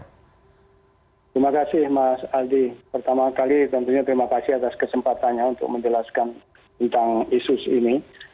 terima kasih mas aldi pertama kali tentunya terima kasih atas kesempatannya untuk menjelaskan tentang isu ini